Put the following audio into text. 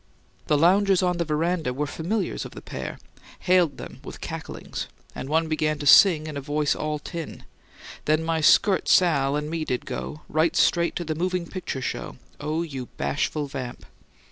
The loungers on the veranda were familiars of the pair; hailed them with cacklings; and one began to sing, in a voice all tin: "Then my skirt, Sal, and me did go Right straight to the moving pitcher show. OH, you bashful vamp!"